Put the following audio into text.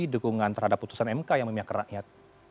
dukungan terhadap keputusan mk yang memiliki rakyat